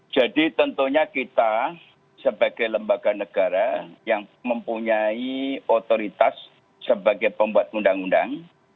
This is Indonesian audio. jadi tentunya kita sebagai lembaga negara yang mempunyai otoritas sebagai pembuat undang undang